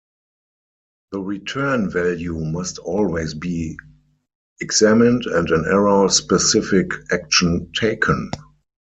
The return value must always be examined and an error specific action taken.